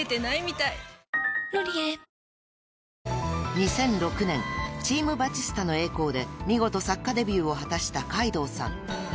［２００６年『チーム・バチスタの栄光』で見事作家デビューを果たした海堂さん］